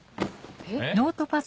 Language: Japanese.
えっ？